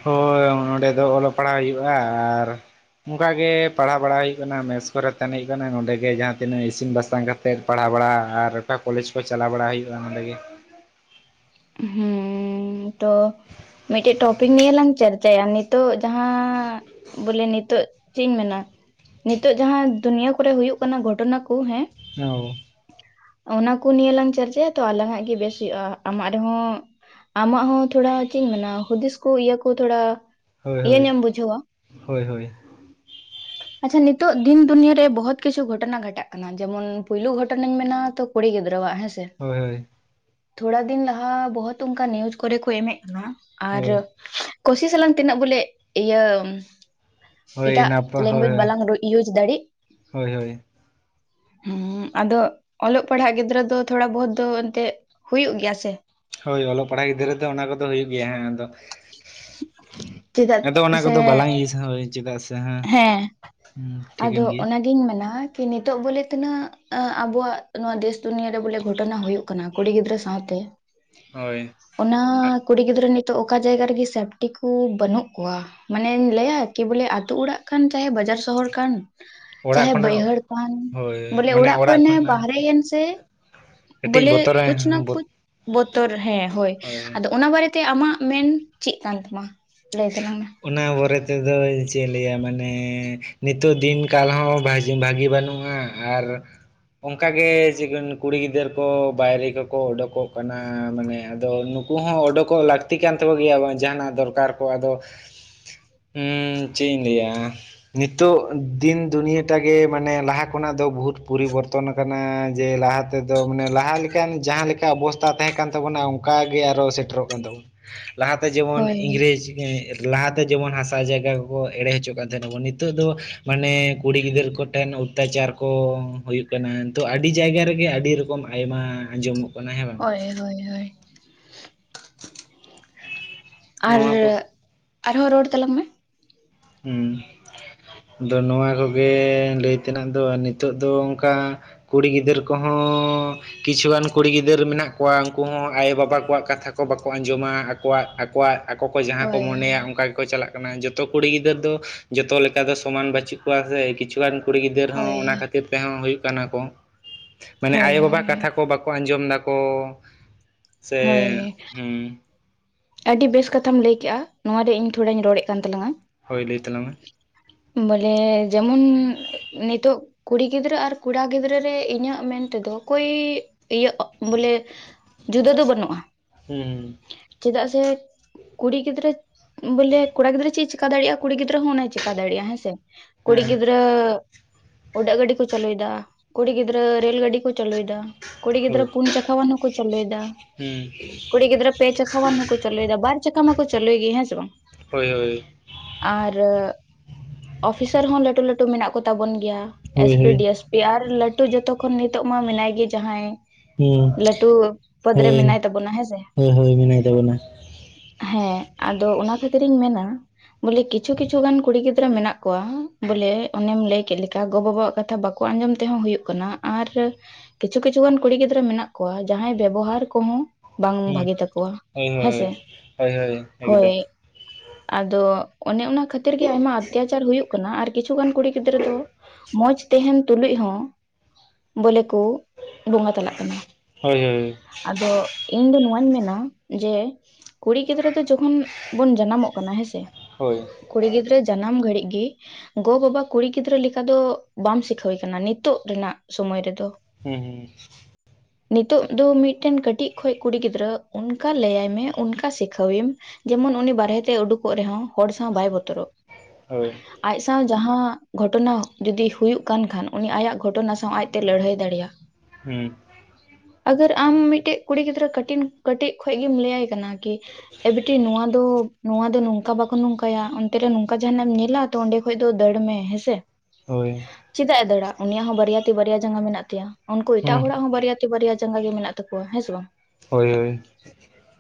ᱦᱳᱭ ᱚᱸᱰᱮ ᱫᱚ ᱚᱞᱚᱜ ᱯᱟᱲᱦᱟᱣ ᱦᱩᱭᱩᱜ-ᱟ ᱟᱨ ᱚᱱᱠᱟ ᱜᱮ ᱯᱟᱲᱦᱟᱣ ᱵᱟᱲᱟ ᱦᱩᱭᱩᱜ ᱠᱟᱱᱟ ᱢᱮᱥ ᱠᱚᱨᱮ ᱛᱟᱦᱮᱱ ᱦᱩᱭᱩᱜ ᱠᱟᱱᱟ ᱱᱚᱰᱮ ᱜᱮ ᱡᱟᱦᱟᱸ ᱛᱤᱱᱟᱹᱜ ᱤᱥᱤᱱ ᱵᱟᱥᱟᱝ ᱠᱟᱛᱮ ᱛᱮᱫ ᱯᱟᱲᱦᱟᱣ ᱵᱟᱲᱟ ᱟᱨ ᱚᱠᱟ ᱠᱚᱞᱮᱡᱽ ᱠᱚ ᱪᱟᱞᱟᱣ ᱵᱟᱲᱟ ᱦᱩᱭᱩᱜᱼᱟ᱾ ᱚᱸᱰᱮ ᱜᱮ ᱦᱩ ᱛᱚ ᱢᱤᱫᱴᱮᱱ ᱴᱚᱯᱤᱠ ᱱᱤᱭᱮ ᱞᱟᱝ ᱪᱟᱨᱪᱟᱭᱟ ᱱᱤᱛᱚᱜ ᱡᱟᱦᱟᱸ ᱵᱚᱞᱮ ᱱᱤᱛᱚᱜ ᱪᱮᱫ ᱤᱧ ᱢᱮᱱᱟ ᱱᱤᱛᱚᱜ ᱡᱟᱦᱟᱸ ᱫᱩᱱᱤᱭᱟᱹ ᱠᱚᱨᱮ ᱦᱩᱭᱩᱜ ᱠᱟᱱᱟ ᱜᱷᱚᱴᱚᱱᱟ ᱠᱩ ᱦᱮᱸ ᱻᱳ ᱚᱱᱟ ᱠᱚ ᱱᱤᱭᱮ ᱞᱟᱝ ᱪᱟᱨᱪᱟᱭᱟ ᱛᱚ ᱟᱞᱟᱝ ᱦᱟᱜ ᱜᱮ ᱵᱮᱥ ᱦᱩᱭᱩᱜᱼᱟ᱾ ᱟᱢᱟᱜ ᱨᱮᱦᱚᱸ ᱟᱢᱟᱜ ᱦᱚᱸ ᱛᱷᱚᱲᱟ ᱪᱮᱫ ᱤᱧ ᱢᱮᱱᱟ ᱦᱩᱫᱤᱥ ᱠᱚ ᱤᱭᱟᱹ ᱠᱚ ᱛᱷᱚᱲᱟ ᱦᱳᱭ ᱦᱳᱭ ᱤᱭᱟᱹᱧᱚᱢ ᱵᱩᱡᱷᱟᱹᱣᱟ ᱾ ᱦᱳᱭ ᱦᱳᱭ ᱟᱪᱪᱷᱟ ᱱᱤᱛᱚᱜ ᱫᱤᱱ ᱫᱩᱱᱭᱟᱹ ᱨᱮ ᱵᱚᱦᱳᱛ ᱠᱤᱪᱷᱩ ᱜᱷᱚᱴᱱᱟ ᱜᱷᱚᱴᱟᱜ ᱠᱟᱱᱟ ᱾ ᱡᱮᱢᱚᱱ ᱯᱩᱭᱞᱩ ᱜᱷᱚᱴᱚᱱᱟᱧ ᱢᱮᱱᱟ ᱛᱚ ᱠᱩᱲᱤ ᱜᱤᱫᱽᱨᱟᱹᱣᱟᱜ ᱦᱮᱸ ᱥᱮ ᱾ ᱦᱳᱭ ᱾ ᱛᱷᱚᱲᱟ ᱫᱤᱱ ᱞᱟᱦᱟ ᱵᱚᱦᱩᱛ ᱚᱱᱠᱟ ᱱᱤᱣᱩᱡ ᱠᱚᱨᱮ ᱠᱚ ᱮᱢᱮᱫ ᱠᱟᱱᱟ ᱟᱨ ᱦᱳᱭ ᱠᱳᱥᱤᱥ ᱟᱞᱟᱝ ᱛᱤᱱᱟᱹᱜ ᱵᱚᱞᱮ ᱤᱭᱟᱹ ᱦᱳᱭ ᱮᱴᱟᱜ ᱱᱟᱯᱟᱭ ᱦᱳᱭ ᱞᱮᱝᱜᱩᱭᱮᱡᱽ ᱵᱟᱞᱟᱝ ᱤᱭᱩᱡᱽ ᱫᱟᱲᱮᱜ ᱦᱳᱭ ᱦᱳᱭ ᱾ ᱦᱩᱸ ᱟᱫᱚ ᱚᱞᱚᱜ ᱯᱟᱲᱦᱟᱜ ᱜᱤᱫᱽᱨᱟᱹ ᱫᱚ ᱛᱷᱚᱲᱟ ᱵᱚᱦᱳᱛ ᱫᱚ ᱮᱱᱛᱮᱫ ᱦᱩᱭᱩᱜ ᱜᱮᱭᱟ ᱥᱮ ᱾ ᱦᱳᱭ ᱚᱞᱚᱜ ᱯᱟᱲᱦᱟᱜ ᱜᱤᱫᱽᱨᱟᱹ ᱫᱚ ᱚᱱᱟ ᱠᱚᱫᱚ ᱦᱩᱭᱩᱜ ᱜᱮᱭᱟ ᱦᱮᱸ ᱟᱫᱚ ᱪᱮᱫᱟᱜ ᱾ ᱟᱫᱚ ᱚᱱᱟ ᱥᱮ ᱠᱚᱫᱚ ᱵᱟᱞᱟᱝ ᱤᱭᱩᱥᱟ ᱦᱳᱭ ᱪᱮᱫᱟᱜ ᱥᱮ ᱡᱟᱦᱟᱸ ᱦᱮᱸ ᱴᱷᱤᱠᱟᱹᱱ ᱜᱮᱭᱟ ᱾ ᱫᱩᱧ ᱢᱮᱱᱟ ᱠᱤ ᱱᱤᱛᱚᱜ ᱵᱚᱞᱮ ᱛᱤᱱᱟᱹᱜ ᱟᱵᱚᱣᱟᱜ ᱱᱚᱣᱟ ᱫᱮᱥ ᱫᱩᱱᱤᱭᱟᱹ ᱨᱮ ᱵᱚᱞᱮ ᱜᱷᱚᱴᱚᱱᱟ ᱦᱩᱭᱩᱜ ᱠᱟᱱᱟ ᱠᱩᱲᱤ ᱜᱤᱫᱽᱨᱟᱹ ᱥᱟᱶᱛᱮ ᱾ ᱦᱳᱭ ᱾ ᱚᱱᱟ ᱠᱩᱲᱤ ᱜᱤᱫᱽᱨᱟᱹ ᱱᱤᱛᱚᱜ ᱚᱠᱟ ᱡᱟᱭᱜᱟ ᱨᱮᱜᱮ ᱥᱮᱯᱴᱤ ᱠᱩ ᱵᱟᱹᱱᱩᱜ ᱠᱚᱣᱟ ᱾ ᱢᱟᱱᱮᱧ ᱞᱟᱹᱭᱟ ᱠᱤ ᱵᱚᱞᱮ ᱟᱛᱳ ᱚᱲᱟᱜ ᱠᱟᱱ ᱪᱟᱦᱮ ᱵᱟᱡᱟᱨ ᱥᱚᱦᱚᱨ ᱠᱟᱱ ᱚᱲᱟᱜ ᱪᱟᱦᱮ ᱠᱷᱚᱱᱟᱜ ᱵᱟᱹᱭᱦᱟᱹᱲ ᱠᱟᱱ ᱦᱳᱭ ᱵᱚᱞᱮ ᱢᱟᱱᱮ ᱚᱲᱟᱜ ᱠᱷᱚᱱᱮ ᱠᱷᱚᱱᱟᱜ ᱵᱟᱦᱨᱮᱭᱮᱱ ᱥᱮ ᱠᱟᱹᱴᱤᱡ ᱵᱚᱞᱮ ᱵᱚᱛᱚᱨ ᱠᱩᱪᱷ ᱱᱟ ᱠᱩᱪᱷ ᱵᱚᱛᱚᱨ ᱦᱮᱸ ᱦᱳᱭ ᱟᱫᱚ ᱚᱱᱟ ᱵᱟᱨᱮ ᱛᱮ ᱟᱢᱟᱜ ᱢᱮᱱ ᱪᱮᱫ ᱠᱟᱱ ᱛᱟᱢᱟ? ᱞᱟᱹᱭ ᱛᱟᱞᱟᱝ ᱢᱮ ᱾ ᱚᱱᱟ ᱵᱚᱨᱮ ᱛᱮᱫᱚ ᱪᱮᱫ ᱤᱧ ᱞᱟᱹᱭᱟ? ᱢᱟᱱᱮ ᱱᱤᱛᱚᱜ ᱫᱤᱱ ᱠᱟᱞ ᱦᱚᱸ ᱵᱷᱟᱡᱤ ᱵᱷᱟᱹᱜᱤ ᱵᱟᱹᱱᱩᱜᱼᱟ, ᱟᱨ ᱚᱱᱠᱟ ᱜᱮ ᱪᱤᱠᱟᱹᱱ ᱠᱩᱲᱤ ᱜᱤᱫᱟᱹᱨ ᱠᱚ ᱵᱟᱭᱨᱮ ᱠᱚᱠᱚ ᱚᱰᱳᱠᱚᱜ ᱠᱟᱱᱟ, ᱢᱟᱱᱮ ᱟᱫᱚ ᱱᱩ ᱠᱚ ᱦᱚᱸ ᱚᱰᱳᱠᱚᱜ ᱞᱟᱹᱠᱛᱤ ᱠᱟᱱ ᱛᱟᱠᱚ ᱜᱮᱭᱟ ᱵᱟᱝ, ᱡᱟᱦᱟᱱᱟᱜ ᱫᱚᱨᱠᱟᱨ ᱠᱚ ᱟᱫᱚ, ᱦᱩᱸ ᱪᱮᱫ ᱤᱧ ᱞᱟᱹᱭᱟ? ᱱᱤᱛᱚᱜ ᱫᱤᱱ ᱫᱩᱱᱤᱭᱟᱹᱴᱟ ᱜᱮ ᱢᱟᱱᱮ ᱞᱟᱦᱟ ᱠᱷᱚᱱᱟᱜ ᱫᱚ ᱵᱚᱦᱩᱛ ᱯᱚᱨᱤᱵᱚᱨᱛᱚᱱ ᱠᱟᱱᱟ, ᱡᱮ ᱞᱟᱦᱟ ᱛᱮᱫᱚ ᱢᱟᱱᱮ ᱞᱟᱦᱟ ᱞᱮᱠᱟᱱ ᱡᱟᱦᱟᱸ ᱞᱮᱠᱟ ᱚᱵᱚᱥᱛᱟ ᱛᱟᱦᱮᱸᱠᱟᱱ ᱛᱟᱵᱚᱱᱟ ᱚᱱᱠᱟ ᱜᱮ ᱟᱨᱚ ᱥᱮᱴᱮᱨᱚᱜ ᱠᱟᱱ ᱛᱟᱵᱚᱱᱟ ᱾ ᱞᱟᱦᱟᱛᱮ ᱡᱮᱢᱚᱱ ᱦᱳᱭ ᱤᱝᱨᱮᱡᱽ ᱜᱮ ᱞᱟᱦᱟᱛᱮ ᱡᱮᱢᱚᱱ ᱦᱟᱥᱟ ᱡᱟᱭᱜᱟ ᱠᱚᱠᱚ ᱮᱲᱮ ᱦᱚᱪᱚᱜ ᱠᱟᱱ ᱛᱟᱦᱮᱱ ᱟᱵᱚᱱ, ᱱᱤᱛᱚᱜ ᱫᱚ ᱢᱟᱱᱮ ᱠᱩᱲᱤ ᱜᱤᱫᱟᱹᱨ ᱠᱚ ᱴᱷᱮᱱ ᱚᱛᱛᱟᱪᱟᱨ ᱠᱚ ᱦᱩᱭᱩᱜ ᱠᱟᱱᱟ, ᱛᱚ ᱟᱹᱰᱤ ᱡᱟᱭᱜᱟ ᱨᱮᱜᱮ ᱟᱹᱰᱤ ᱨᱚᱠᱚᱢ ᱠᱚᱢ ᱟᱭᱢᱟ ᱟᱸᱡᱚᱢᱚᱜ ᱠᱟᱱᱟ ᱦᱮᱸ ᱵᱟᱝ ᱦᱮᱸ ᱦᱳᱭ ᱦᱳᱭ ᱾ ᱟᱨ ᱱᱚᱣᱟ ᱠᱚ ᱟᱨᱦᱚᱸ ᱨᱚᱲ ᱛᱟᱞᱟᱝ ᱢᱮ ᱾ ᱦᱩᱸ ᱟᱫᱚ ᱱᱚᱣᱟ ᱠᱚᱜᱮ ᱞᱟᱹᱭ ᱛᱮᱱᱟᱜ ᱫᱚ, ᱱᱤᱛᱚᱜ ᱫᱚ ᱚᱱᱠᱟ ᱠᱩᱲᱤ ᱜᱤᱫᱟᱹᱨ ᱠᱚᱦᱚᱸᱻ ᱠᱤᱪᱷᱩ ᱜᱟᱱ ᱠᱩᱲᱤ ᱜᱤᱫᱟᱹᱨ ᱢᱮᱱᱟᱜ ᱠᱚᱣᱟ, ᱩᱱᱠᱩ ᱦᱚᱸ ᱟᱭᱳ ᱵᱟᱵᱟ ᱠᱚᱣᱟᱜ ᱠᱟᱛᱷᱟ ᱠᱚ ᱵᱟᱠᱚ ᱟᱸᱡᱚᱢᱟ ᱾ ᱟᱠᱚᱣᱟᱜ ᱟᱠᱚᱣᱟᱜ ᱟᱠᱚ ᱠᱚ ᱡᱟᱦᱟᱸ ᱠᱚ ᱦᱳᱭ ᱢᱚᱱᱮᱭᱟ ᱦᱳᱭ ᱚᱱᱠᱟ ᱜᱮᱠᱚ ᱪᱟᱞᱟᱜ ᱠᱟᱱᱟ ᱡᱚᱛᱚ ᱾ ᱠᱩᱲᱤ ᱜᱤᱫᱟᱹᱨ ᱫᱚ ᱡᱚᱛᱚ ᱞᱮᱠᱟ ᱫᱚ ᱥᱚᱢᱟᱱ ᱵᱟᱹᱪᱩᱜ ᱠᱚᱣᱟ ᱥᱮ ᱾ ᱠᱤᱪᱷᱩ ᱜᱟᱱ ᱠᱩᱲᱤ ᱜᱤᱫᱟᱹᱨ ᱦᱚᱸ ᱦᱳᱭ ᱚᱱᱟ ᱠᱷᱟᱹᱛᱤᱨ ᱛᱮᱦᱚᱸ ᱦᱩᱭᱩᱜ ᱠᱟᱱᱟ ᱠᱚ, ᱢᱟᱱᱮ ᱟᱭᱳ ᱦᱳᱭ ᱦᱳᱭ ᱵᱟᱵᱟ ᱠᱟᱛᱷᱟ ᱦᱳᱭ ᱠᱚ ᱵᱟᱠᱚ ᱟᱸᱡᱚᱢ ᱮᱫᱟᱠᱚ, ᱥᱮ ᱦᱳᱭ, ᱦᱩᱸ ᱟᱹᱰᱤ ᱵᱮᱥ ᱠᱟᱛᱷᱟᱢ ᱞᱟᱹᱭ ᱠᱮᱜᱼᱟ ᱾ ᱱᱚᱣᱟ ᱨᱮ ᱤᱧ ᱛᱷᱚᱲᱟᱧ ᱨᱚᱲᱮᱫ ᱠᱟᱱ ᱛᱟᱞᱟᱝᱟ ᱾ ᱦᱳᱭ ᱞᱟᱹᱭ ᱛᱟᱞᱟᱝ ᱢᱮ ᱾ ᱵᱚᱞᱮᱻ ᱡᱮᱢᱚᱱ ᱱᱤᱛᱚᱜ ᱠᱩᱲᱤ ᱜᱤᱫᱽᱨᱟᱹ ᱟᱨ ᱠᱚᱲᱟ ᱜᱤᱫᱽᱨᱟᱹ ᱨᱮ ᱤᱧᱟᱹᱜ ᱢᱮᱱ ᱛᱮᱫᱚ ᱚᱠᱚᱭᱻ ᱤᱭᱟᱹ ᱵᱚᱞᱮ ᱡᱩᱫᱟᱹ ᱫᱚ ᱵᱟᱹᱱᱩᱜᱼᱟ ᱾ ᱦᱩᱸ ᱦᱩᱸ ᱾ ᱪᱮᱫᱟᱜ ᱥᱮ ᱠᱩᱲᱤ ᱜᱤᱫᱽᱨᱟᱹ ᱵᱚᱞᱮ ᱠᱚᱲᱟ ᱜᱤᱫᱽᱨᱟᱹ ᱪᱮᱫ ᱮ ᱪᱮᱠᱟ ᱫᱟᱲᱮᱭᱟᱜᱼᱟ ᱠᱩᱲᱤ ᱜᱤᱫᱽᱨᱟᱹ ᱦᱚᱸ ᱚᱱᱟᱭ ᱪᱮᱠᱟ ᱫᱟᱲᱮᱭᱟᱜᱼᱟ ᱦᱮᱸ ᱥᱮ ᱾ ᱠᱩᱲᱤ ᱦᱮᱸ ᱜᱤᱫᱨᱟ. ᱻ ᱾ ᱩᱰᱟᱜ ᱜᱟᱹᱰᱤ ᱠᱚ ᱪᱟᱹᱞᱩᱭ ᱮᱫᱟ ᱠᱩᱲᱤ ᱜᱤᱫᱽᱨᱟᱹ ᱨᱮᱞ ᱜᱟᱹᱰᱤ ᱠᱚ ᱪᱟᱹᱞᱩᱭ ᱮᱫᱟ ᱠᱩᱲᱤ ᱜᱤᱫᱽᱨᱟᱹ ᱯᱩᱱ ᱪᱟᱠᱟᱣ ᱟᱱ ᱦᱚᱸᱠᱚ ᱪᱟᱹᱞᱩᱭ ᱮᱫᱟ᱾ ᱦᱮᱸ ᱠᱩᱲᱤ ᱜᱤᱫᱽᱨᱟᱹ ᱯᱮ ᱪᱟᱠᱟᱣ ᱟᱱ ᱦᱚᱸ ᱠᱚ ᱪᱟᱹᱞᱩᱭ ᱮᱫᱟ ᱵᱟᱨ ᱪᱟᱠᱷᱟ ᱢᱟᱠᱚ ᱪᱟᱹᱞᱩᱭ ᱜᱮ ᱦᱮᱸ ᱥᱮ ᱵᱟᱝ ᱦᱳᱭ ᱦᱳᱭ ᱟᱨ ᱚᱯᱷᱤᱥᱟᱨ ᱦᱚᱸ ᱞᱟᱹᱴᱩ ᱞᱟᱹᱴᱩ ᱢᱮᱱᱟᱜ ᱠᱚᱛᱟ ᱵᱚᱱ ᱜᱮᱭᱟ ᱮᱥ ᱦᱳᱭ ᱯᱤ, ᱦᱳᱭ ᱰᱤ ᱮᱥ ᱯᱤ, ᱟᱨ ᱞᱟᱹᱴᱩ ᱡᱚᱛᱚ ᱠᱷᱚᱱ ᱱᱤᱛᱚᱜ ᱢᱟ ᱢᱮᱱᱟᱭ ᱜᱮ ᱡᱟᱦᱟᱸᱭ ᱦᱩᱸ ᱞᱟᱹᱴᱩ ᱯᱚᱫ ᱨᱮ ᱦᱳᱭ ᱢᱮᱱᱟᱭ ᱛᱟᱵᱚᱱᱟ ᱦᱮᱸ ᱥᱮ ᱦᱳᱭ ᱦᱳᱭ ᱢᱮᱱᱟᱭ ᱛᱟᱵᱚᱱᱟ ᱦᱮᱸ ᱟᱫᱚ ᱚᱱᱟ ᱠᱷᱟᱹᱛᱤᱨ ᱤᱧ ᱢᱮᱱᱟᱼᱼ ᱵᱚᱞᱮ ᱠᱤᱪᱷᱩ ᱠᱤᱪᱷᱩ ᱜᱟᱱ ᱠᱩᱲᱤ ᱜᱤᱫᱽᱨᱟᱹ ᱢᱮᱱᱟᱜ ᱠᱚᱣᱟ ᱵᱚᱞᱮ ᱚᱱᱮᱢ ᱞᱟᱹᱭ ᱠᱮᱫ ᱞᱮᱠᱟ ᱜᱚ ᱵᱟᱵᱟᱣᱟᱜ ᱠᱟᱛᱷᱟ ᱵᱟᱠᱚ [unintelligible] ᱟᱸᱡᱚᱢ ᱛᱮᱦᱚᱸ ᱦᱩᱭᱩᱜ ᱠᱟᱱᱟ ᱟᱨ ᱠᱤᱪᱷᱩ ᱠᱤᱪᱷᱩ ᱜᱟᱱ ᱠᱩᱲᱤ ᱜᱤᱫᱽᱨᱟᱹ ᱢᱮᱱᱟᱜ ᱠᱚᱣᱟ ᱡᱟᱦᱟᱸᱭ ᱵᱮᱵᱚᱦᱟᱨ ᱠᱚ ᱦᱚᱸ ᱵᱟᱝ ᱵᱷᱟᱜᱤ ᱦᱩᱸ [unintelligible] ᱦᱳᱭ ᱦᱮᱸ ᱥᱮ ᱦᱳᱭ ᱦᱳᱭ ᱦᱳᱭ ᱮᱠᱫᱚᱢ ᱟᱫᱚ ᱚᱱᱮ ᱚᱱᱟ ᱠᱷᱟᱹᱛᱤᱨ ᱜᱮ ᱟᱭᱢᱟ ᱚᱛᱛᱟᱪᱟᱨ ᱦᱩᱭᱩᱜ ᱠᱟᱱᱟ ᱟᱨ ᱠᱤᱪᱷᱩ ᱜᱟᱱ ᱠᱩᱲᱤ ᱜᱤᱫᱽᱨᱟᱹ ᱫᱚᱼᱼ ᱢᱚᱸᱡᱽ ᱛᱟᱦᱮᱱ ᱛᱩᱞᱩᱡ ᱦᱚᱸ ᱵᱚᱞᱮ ᱠᱚ ᱵᱚᱸᱜᱟ ᱛᱟᱞᱟᱜ ᱠᱟᱱᱟ ᱦᱳᱭ ᱦᱳᱭ ᱟᱫᱚᱼᱼ ᱤᱧ ᱫᱚ ᱱᱚᱣᱟᱧ ᱢᱮᱱᱟ ᱡᱮ, ᱠᱩᱲᱤ ᱜᱤᱫᱽᱨᱟᱹ ᱫᱚ ᱡᱚᱠᱷᱚᱱ ᱵᱚᱱ ᱡᱟᱱᱟᱢᱚᱜ ᱠᱟᱱᱟ ᱦᱮᱸ ᱥᱮ ᱦᱳᱭ ᱠᱩᱲᱤ ᱜᱤᱫᱽᱨᱟᱹ ᱡᱟᱱᱟᱢ ᱜᱷᱟᱹᱲᱤᱡ ᱜᱮ ᱜᱚ ᱵᱟᱵᱟ ᱠᱩᱲᱤ ᱜᱤᱫᱽᱨᱟᱹ ᱞᱮᱠᱟ ᱫᱚ ᱵᱟᱢ ᱥᱤᱠᱷᱟᱹᱣ ᱠᱟᱱᱟ ᱱᱤᱛᱚᱜ ᱨᱮᱱᱟᱜ ᱥᱚᱢᱚᱭ ᱨᱮ ᱫᱚ ᱦᱩᱸ ᱦᱩᱸ ᱱᱤᱛᱚᱜ ᱫᱚ ᱢᱤᱫᱴᱮᱱ ᱠᱟᱴᱤᱡ ᱠᱷᱚᱡ ᱠᱩᱲᱤ ᱜᱤᱫᱽᱨᱟᱹ ᱚᱱᱠᱟ ᱞᱟᱹᱭᱟᱭ ᱢᱮ ᱚᱱᱠᱟ ᱥᱤᱠᱷᱟᱹᱣ ᱮᱢ ᱡᱮᱢᱚᱱ ᱩᱱᱤ ᱵᱟᱦᱮᱨᱮ ᱛᱮ ᱩᱰᱩᱠ [unintelligible] ᱨᱮᱦᱚᱸ ᱦᱚᱲ ᱥᱟᱶ ᱵᱟᱭ ᱵᱚᱛᱚᱨᱚᱜ ᱦᱩᱸ ᱦᱳᱭ ᱟᱡ ᱥᱟᱶ ᱡᱟᱦᱟᱸ ᱜᱷᱚᱴᱚᱱᱟ ᱡᱩᱫᱤ ᱦᱩᱭᱩᱜ ᱠᱟᱱ ᱠᱷᱟᱱ ᱩᱱᱤ ᱟᱭᱟᱜ ᱜᱷᱚᱴᱚᱱᱟ ᱥᱟᱶ ᱟᱡ ᱛᱮ ᱞᱟᱹᱲᱦᱟᱹᱭ ᱫᱟᱲᱮᱭᱟᱜᱼᱟ ᱦᱩᱸ ᱟᱜᱟᱨ ᱟᱢ ᱢᱤᱫᱴᱮᱱ ᱠᱩᱲᱤ ᱜᱤᱫᱽᱨᱟᱹ ᱠᱟᱹᱴᱤᱡ ᱠᱟᱹᱴᱤᱡ ᱠᱷᱚᱡ ᱜᱮᱢ ᱞᱟᱹᱭᱟᱭ ᱠᱟᱱᱟ ᱠᱤ ᱮ ᱵᱤᱴᱤ ᱱᱚᱣᱟ ᱫᱚ ᱱᱚᱣᱟ ᱫᱚ ᱱᱚᱝᱠᱟ ᱵᱟᱠᱚ ᱱᱚᱝᱠᱟᱭᱟ ᱚᱱᱛᱮ ᱨᱮ ᱱᱚᱝᱠᱟ ᱡᱟᱦᱟᱸᱱᱟᱜ ᱮᱢ ᱧᱮᱞᱟ ᱚᱸᱰᱮ ᱠᱷᱚᱡ ᱫᱚ ᱫᱟᱹᱲ ᱢᱮ ᱦᱮᱸᱥᱮ ᱦᱳᱭ ᱪᱮᱫᱟᱜ ᱮ ᱫᱟᱹᱲᱼᱟ ᱩᱱᱤᱭᱟᱜ ᱦᱚᱸ ᱵᱟᱨᱭᱟ ᱛᱤ ᱵᱟᱨᱭᱟ ᱡᱟᱸᱜᱟ ᱢᱮᱱᱟᱜ ᱛᱟᱭᱟ ᱩᱱᱠᱩ ᱮᱴᱟᱜ ᱦᱩᱸ ᱦᱚᱲᱟᱜ ᱦᱚᱸ ᱵᱟᱨᱭᱟ ᱵᱟᱨᱭᱟ ᱡᱟᱸᱜᱟ ᱜᱮ ᱢᱮᱱᱟᱜ ᱛᱟᱠᱚᱣᱟ ᱦᱮᱸ ᱥᱮ ᱵᱟᱝ ᱦᱳᱭ ᱦᱳᱭ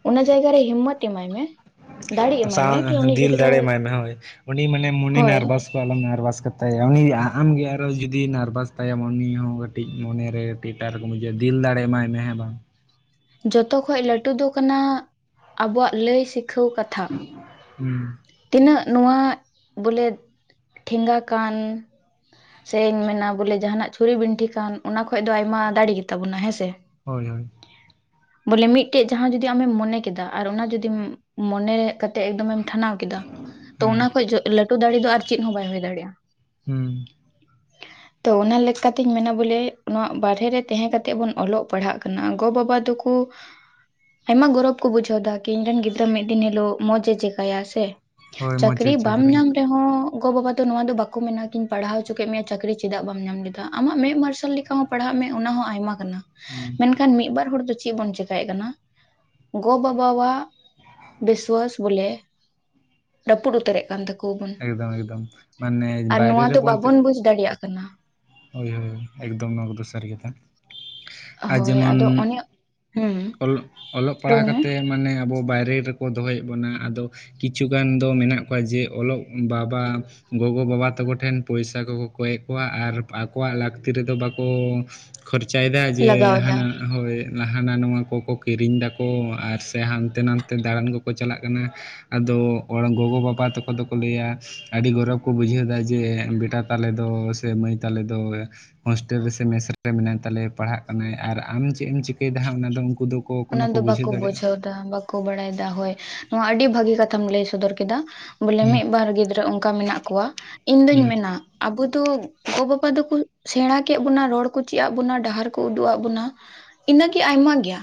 ᱚᱱᱟ ᱡᱟᱭᱜᱟ ᱨᱮ ᱦᱤᱢᱚᱛ ᱮᱢᱟᱭ ᱢᱮᱼᱼ [unintelligible] ᱫᱤᱞ ᱫᱟᱲᱮ ᱢᱟᱭ ᱢᱮ ᱦᱳᱭ ᱩᱱᱤ ᱢᱟᱱᱮ ᱢᱚᱱᱮ ᱦᱳᱭ ᱱᱟᱨᱵᱷᱟᱥ ᱟᱞᱚᱢ ᱱᱟᱨᱵᱷᱟᱥ ᱠᱟ ᱛᱟᱭᱟᱭᱟ ᱩᱱᱤ ᱟᱢ ᱜᱮ ᱟᱨᱚ ᱡᱩᱫᱤ ᱱᱟᱨᱵᱷᱟᱥ ᱛᱟᱭ ᱩᱱᱤ ᱦᱚᱸᱼᱼ ᱠᱟᱹᱴᱤᱡ ᱢᱚᱱᱮ ᱨᱮ ᱴᱩᱭᱮᱴᱟᱨ ᱨᱮ ᱵᱩᱡᱷᱟᱹᱼᱟ ᱫᱤᱞ ᱫᱟᱲᱮᱭ ᱢᱟᱭ ᱢᱮ ᱦᱮᱸ ᱵᱟᱝ ᱡᱚᱛᱚ ᱠᱷᱚᱡ ᱞᱟᱹᱴᱩ ᱫᱚ ᱠᱟᱱᱟ ᱟᱵᱚᱣᱟᱜ ᱞᱟᱹᱭ ᱥᱤᱠᱷᱟᱹᱣ ᱠᱟᱛᱮ ᱦᱩᱸ ᱛᱤᱱᱟᱹᱜ ᱱᱚᱣᱟ ᱵᱚᱞᱮ ᱴᱷᱮᱸᱜᱟ ᱠᱟᱱ ᱥᱮᱧ ᱢᱮᱱᱟ ᱵᱚᱞᱮ ᱡᱟᱦᱟᱱᱟᱜ ᱪᱷᱩᱨᱤ ᱵᱤᱱᱴᱷᱤ ᱠᱟᱱ ᱚᱱᱟ ᱠᱷᱚᱡ ᱫᱚ ᱟᱭᱢᱟ ᱫᱟᱲᱮᱜ ᱜᱮᱛᱟ ᱵᱚᱱᱟ ᱦᱮᱸ ᱥᱮ ᱦᱳᱭ ᱦᱳᱭ ᱵᱚᱞᱮ ᱢᱤᱫᱴᱮᱡ ᱡᱟᱦᱟᱸ ᱡᱚᱫᱤ ᱟᱢᱮᱢ ᱢᱚᱱᱮ ᱠᱮᱫᱟ ᱟᱨ ᱚᱱᱟ ᱡᱚᱫᱤᱢ ᱢᱚᱱᱮ ᱨᱮ [unintelligible] ᱴᱮ ᱮᱠᱫᱚᱢᱮᱢ ᱴᱷᱟᱱᱟᱣ ᱠᱮᱫᱟ ᱛᱚ ᱦᱮᱸ ᱚᱱᱟ ᱠᱷᱚᱡ ᱡᱚ ᱞᱟᱹᱴᱩ ᱫᱟᱲᱮ ᱫᱚ ᱟᱨ ᱪᱮᱫ ᱦᱚᱸ ᱵᱟᱭ ᱦᱩᱭ ᱫᱟᱲᱮᱭᱟᱜ-ᱟ᱾ ᱦᱩᱸ᱾ [inaudible] ᱛᱚ ᱚᱱᱟ ᱞᱮᱠᱟ ᱛᱤᱧ ᱢᱮᱱᱟ ᱵᱚᱞᱮ ᱱᱚᱣᱟ ᱵᱟᱨᱦᱮ ᱨᱮ ᱛᱮᱦᱮᱸ ᱠᱟᱛᱮᱜ ᱵᱚᱱ ᱚᱞᱚᱜ ᱯᱟᱲᱦᱟᱜ ᱠᱟᱱᱟ ᱜᱚ ᱵᱟᱵᱟᱼᱼ ᱛᱚ ᱠᱩᱼᱼ ᱟᱭᱢᱟ ᱜᱚᱨᱚᱵᱽ ᱠᱚ ᱵᱩᱡᱷᱟᱹᱣ ᱫᱟ ᱠᱤ ᱤᱧ ᱨᱮᱱ ᱜᱤᱫᱽᱨᱟᱹ ᱢᱤᱫ ᱫᱤᱱ ᱦᱤᱞᱳᱜ ᱢᱚᱸᱡᱮ ᱪᱮᱠᱟᱭᱟ ᱥᱮ᱾ ᱦᱳᱭ ᱢᱚᱡᱽ ᱮ ᱪᱟᱠᱨᱤ ᱵᱟᱢ ᱪᱟᱹᱠᱨᱤ ᱧᱟᱢ ᱨᱮᱦᱚᱸᱼᱼ ᱜᱚ ᱵᱟᱵᱟ ᱫᱚ ᱱᱚᱣᱟ ᱫᱚ ᱵᱟᱠᱩ ᱢᱮᱱᱟ ᱠᱤᱧ ᱯᱟᱲᱦᱟᱣ ᱩᱪᱩ ᱠᱮᱜ ᱢᱮᱭᱟ ᱪᱟᱠᱨᱤ ᱪᱮᱫᱟᱜ ᱵᱟᱢ ᱧᱟᱢ ᱞᱮᱫᱟ ᱟᱢᱟᱜ ᱢᱮᱸᱜ ᱢᱟᱨᱥᱟᱞ ᱞᱮᱠᱟ ᱦᱚᱸᱼᱼ ᱯᱟᱲᱦᱟᱜ ᱢᱮ ᱚᱱᱟ ᱦᱚᱸ ᱟᱭᱢᱟ ᱠᱟᱱᱟ᱾ ᱦᱩᱸ᱾ ᱢᱮᱱᱠᱷᱟᱱ ᱢᱤᱫ ᱵᱟᱨ ᱦᱚᱲ ᱫᱚᱼᱼ ᱪᱮᱫ ᱵᱚᱱ ᱪᱮᱠᱟᱭᱮᱜ ᱠᱟᱱᱟ ᱜᱚ ᱵᱟᱵᱟᱣᱟᱜ ᱵᱤᱥᱣᱟᱹᱥ ᱵᱚᱞᱮᱼᱼ ᱨᱟᱹᱯᱩᱫ ᱩᱛᱟᱹᱨᱮᱜ ᱠᱟᱱ ᱛᱟᱹᱠᱩᱣᱟ ᱵᱩᱱ ᱮᱠᱫᱚᱢ ᱮᱠᱫᱚᱢ ᱢᱟᱱᱮ ᱟᱨ ᱵᱟᱭᱨᱮ ᱱᱚᱣᱟ ᱫᱚ ᱨᱮᱵᱚᱱ ᱛᱟᱦᱮᱸ ᱵᱟᱵᱚᱱ ᱵᱩᱡᱽᱼᱼ ᱫᱟᱲᱮᱭᱟᱜ ᱠᱟᱱᱟ᱾ ᱦᱳᱭ ᱦᱳᱭ ᱮᱠᱫᱚᱢ ᱱᱚᱶᱟ ᱠᱩᱫᱚ ᱥᱟᱹᱨᱤ ᱠᱟᱛᱷᱟ᱾ ᱟ ᱦᱳᱭ ᱡᱮᱢᱚᱱ ᱟᱫᱚ ᱚᱱᱮ ᱦᱩᱸ ᱚᱞᱚᱜ ᱚᱞᱚᱜ ᱨᱚᱲ ᱯᱟᱲᱦᱟᱣ ᱢᱮ ᱠᱟᱛᱮᱜᱼᱼ ᱢᱟᱱᱮ ᱟᱵᱚ ᱵᱟᱭᱨᱮ ᱨᱮᱠᱚ ᱫᱚᱦᱚᱭᱮᱜ ᱵᱚᱱᱟ ᱟᱫᱚᱼᱼ ᱠᱤᱪᱷᱩ ᱜᱟᱱ ᱫᱚ ᱢᱮᱱᱟᱜ ᱠᱚᱣᱟ ᱡᱮ ᱚᱞᱚᱜ ᱵᱟᱵᱟᱼᱼ ᱜᱚᱜᱚ ᱵᱟᱵᱟ ᱛᱟᱠᱚ ᱴᱷᱮᱱ ᱯᱚᱭᱥᱟ ᱠᱚᱠᱚ ᱠᱚᱭᱮᱜ ᱠᱚᱣᱟ ᱟᱨᱼᱼ ᱟᱠᱚᱣᱟᱜ ᱞᱟᱠᱛᱤ ᱨᱮᱫᱚ ᱵᱟᱠᱚ ᱠᱷᱚᱨᱪᱟᱭ ᱫᱟ ᱞᱟᱜᱟᱣ ᱡᱮ ᱮᱫᱟ ᱦᱟᱱᱟᱼᱼ ᱦᱳᱭ ᱦᱟᱱᱟ ᱱᱚᱣᱟ ᱠᱚᱠᱚ ᱠᱤᱨᱤᱧ ᱫᱟᱠᱚ ᱟᱨ ᱥᱮ ᱦᱟᱱᱛᱮ ᱱᱟᱛᱮ ᱫᱟᱬᱟᱱ ᱠᱚᱠᱚ ᱪᱟᱞᱟᱜ ᱠᱟᱱᱟ ᱟᱫᱚ ᱚᱲ ᱜᱚᱜᱚ ᱵᱟᱵᱟ ᱛᱟᱠᱚ ᱫᱚᱠᱚ ᱞᱟᱹᱭᱟ ᱟᱹᱰᱤ ᱜᱚᱨᱚᱵᱽ ᱠᱚ ᱵᱩᱡᱷᱟᱹᱣ ᱫᱟ ᱡᱮ ᱵᱮᱴᱟ ᱛᱟᱞᱮ ᱫᱚ ᱥᱮ ᱢᱟᱹᱭ ᱛᱟᱞᱮ ᱫᱚ᱾ ᱦᱳᱥᱴᱮᱞ ᱨᱮ ᱥᱮ ᱢᱮᱥ ᱨᱮ ᱢᱮᱱᱟᱭ ᱛᱟᱞᱮᱭᱟ ᱯᱟᱲᱦᱟᱜ ᱠᱟᱱᱟᱭ ᱟᱨ ᱟᱢ ᱪᱮᱜ ᱮᱢ ᱪᱤᱠᱟᱹᱭ ᱫᱟ ᱦᱟᱸᱜ ᱚᱱᱟ ᱫᱚ ᱩᱱᱠᱩ ᱫᱚᱼᱼ ᱠᱚ ᱠᱳᱱᱳ ᱠᱚ ᱵᱩᱡᱷᱟᱹᱣ ᱫᱟᱲᱮᱜ-ᱟ᱾ ᱛᱟ ᱵᱟᱠᱚ ᱵᱟᱲᱟᱭ ᱫᱟ ᱦᱳᱭ ᱱᱚᱣᱟ ᱟᱰᱤ ᱵᱷᱟᱹᱜᱤ ᱠᱟᱛᱷᱟᱢ ᱞᱟᱹᱭ ᱥᱚᱫᱚᱨ ᱠᱮᱫᱟ᱾ ᱵᱚᱞᱮ ᱦᱩᱸ ᱢᱤᱫ ᱵᱟᱨ ᱜᱤᱫᱽᱨᱟᱹ ᱚᱱᱠᱟ ᱢᱮᱱᱟᱜ ᱠᱚᱣᱟ ᱤᱧ ᱫᱩᱧ ᱦᱩᱸ ᱢᱮᱱᱟ᱾ ᱟᱵᱚ ᱫᱚ ᱜᱚ ᱵᱟᱵᱟ ᱫᱚᱠᱚ ᱥᱮᱬᱟ ᱠᱮᱜ ᱵᱚᱱᱟ ᱨᱚᱲ ᱠᱚ ᱪᱮᱫ ᱟᱜ ᱵᱚᱱᱟ ᱰᱟᱦᱟᱨ ᱠᱚ ᱩᱫᱩᱜ ᱟᱜ ᱵᱚᱱᱟ᱾ ᱤᱱᱟᱹ ᱠᱤ ᱟᱭᱢᱟ ᱜᱮᱭᱟ᱾